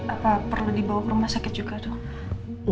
apa perlu dibawa ke rumah sakit juga dok